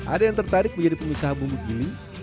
ada yang tertarik menjadi pengusaha bumbu giling